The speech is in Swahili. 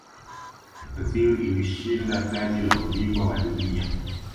brazil ilishinda taji la ubingwa wa dunia